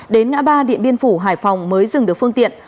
đến ngã ba điện biên phủ hải phòng mới dừng được phương tiện